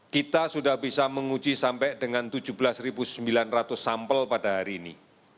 kita sudah bisa menguji sampai dengan tujuh belas sembilan ratus sampel pada hari ini